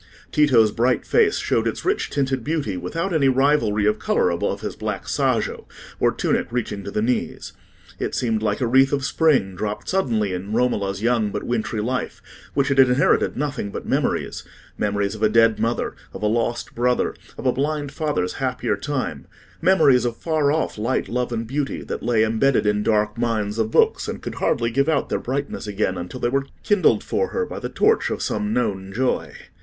Tito's bright face showed its rich tinted beauty without any rivalry of colour above his black sajo or tunic reaching to the knees. It seemed like a wreath of spring, dropped suddenly in Romola's young but wintry life, which had inherited nothing but memories—memories of a dead mother, of a lost brother, of a blind father's happier time—memories of far off light, love, and beauty, that lay embedded in dark mines of books, and could hardly give out their brightness again until they were kindled for her by the torch of some known joy.